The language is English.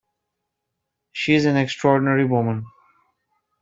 She is an extraordinary woman.